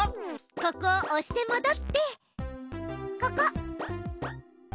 ここを押してもどってここ。